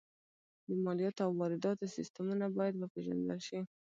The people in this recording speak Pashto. د مالیاتو او وارداتو سیستمونه باید وپېژندل شي